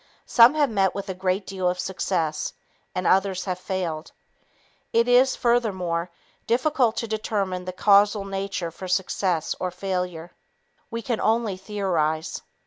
Some have met with a great deal of success and others have failed. It is, furthermore, difficult to determine the causal factors for success or failure. We can only theorize.